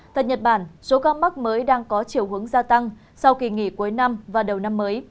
tại nhật bản số ca mắc mới đang có chiều hướng gia tăng sau kỳ nghỉ cuối năm và đầu năm mới